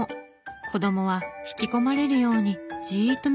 子供は引き込まれるようにじーっと見つめます。